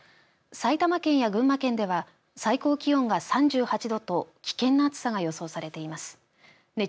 埼玉県や群馬県では最高気温が３８度と危険な暑さが予想されています。